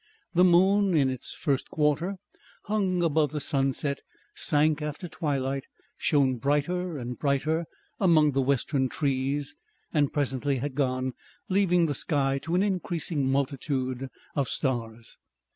The moon, in its first quarter, hung above the sunset, sank after twilight, shone brighter and brighter among the western trees, and presently had gone, leaving the sky to an increasing multitude of stars.